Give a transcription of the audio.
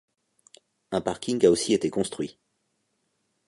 Un parking a aussi été construit.